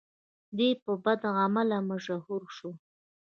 دی په بدعمله مشهور شو.